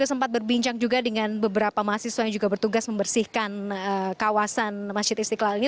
saya sempat berbincang juga dengan beberapa mahasiswa yang juga bertugas membersihkan kawasan masjid istiqlal ini